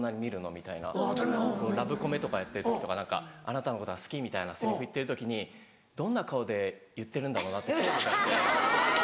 みたいなラブコメとかやってる時とか何か「あなたのことが好き」みたいなセリフ言ってる時にどんな顔で言ってるんだろうなって興味があって。